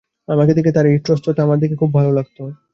আমাকে দেখে তার এই ত্রস্ততা আমার দেখে খুব ভালো লাগত।